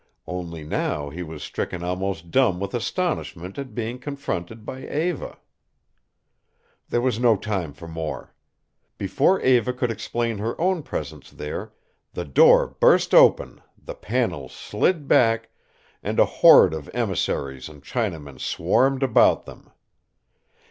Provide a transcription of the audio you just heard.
Only now he was stricken almost dumb with astonishment at being confronted by Eva. There was no time for more. Before Eva could explain her own presence there the door burst open, the panels slid back, and a horde of emissaries and Chinamen swarmed about them.